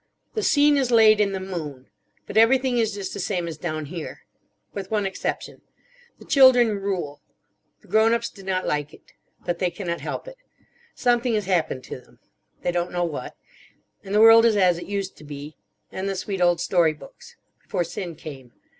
"The scene is laid in the Moon. But everything is just the same as down here. With one exception. The children rule. The grown ups do not like it. But they cannot help it. Something has happened to them. They don't know what. And the world is as it used to be. In the sweet old story books. Before sin came.